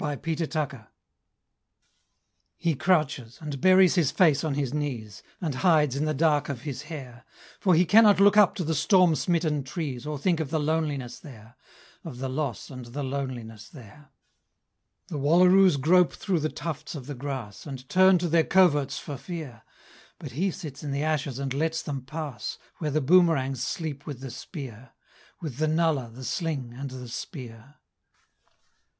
The Last of His Tribe He crouches, and buries his face on his knees, And hides in the dark of his hair; For he cannot look up to the storm smitten trees, Or think of the loneliness there Of the loss and the loneliness there. The wallaroos grope through the tufts of the grass, And turn to their coverts for fear; But he sits in the ashes and lets them pass Where the boomerangs sleep with the spear With the nullah, the sling and the spear.